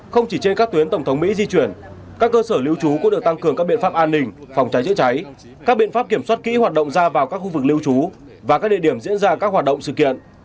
không chỉ trên các tuyến tổng thống mỹ di chuyển các cơ sở lưu trú cũng được tăng cường các biện pháp an ninh phòng cháy chữa cháy các biện pháp kiểm soát kỹ hoạt động ra vào các khu vực lưu trú và các địa điểm diễn ra các hoạt động sự kiện